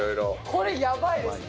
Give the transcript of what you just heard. これ、やばいですね。